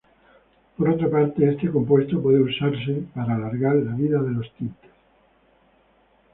Por otra parte, este compuesto puede usarse para alargar la vida de los tintes.